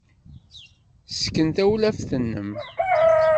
Ssken-d tawlaft-nnem.